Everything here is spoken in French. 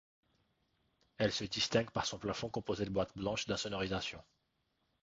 Elle se distingue par son plafond composé de boîtes blanches d'insonorisation.